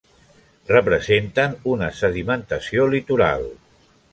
Representen una sedimentació litoral.